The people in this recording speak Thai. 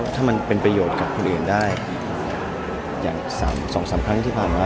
ถ้ามันเป็นประโยชน์กับคนอื่นได้อย่าง๒๓ครั้งที่ผ่านมา